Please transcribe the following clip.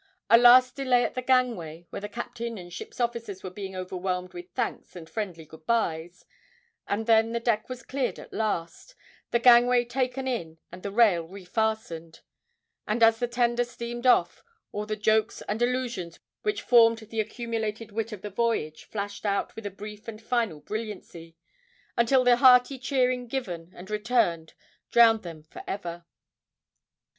A last delay at the gangway, where the captain and ship's officers were being overwhelmed with thanks and friendly good byes, and then the deck was cleared at last, the gangway taken in and the rail refastened, and, as the tender steamed off, all the jokes and allusions which formed the accumulated wit of the voyage flashed out with a brief and final brilliancy, until the hearty cheering given and returned drowned them for ever.